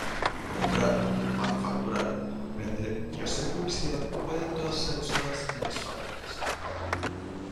Comprar, manufacturar, vender y hacer publicidad pueden todas ser usadas en las fábricas.